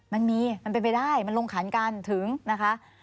มันเป็นไปได้มันลงขันกันถึงนะคะ